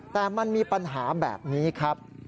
แต่มันมีปัญหาแบบนี้ครับ